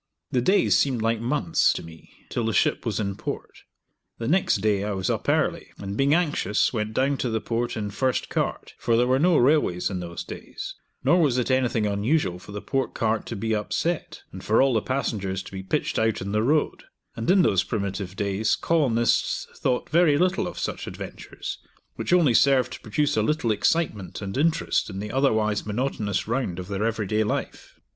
The days seemed like months to me till the ship was in Port. The next day I was up early and, being anxious, went down to the Port in the first cart, for there were no railways in those days, nor was it anything unusual for the Port cart to be upset, and for all the passengers to be pitched out on the road, and in those primitive days colonists thought very little of such adventures, which only served to produce a little excitement and interest in the otherwise monotonous round of their everyday life.